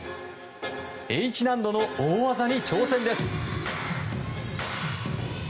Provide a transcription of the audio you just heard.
Ｈ難度の大技に挑戦です。